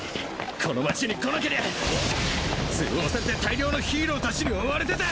この街に来なけりゃ通報されて大量のヒーロー達に追われてた。